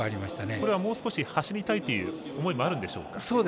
これはもうちょっと走りたいという思いがあるんでしょうか？